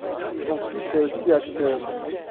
Son fils est aussi acteur.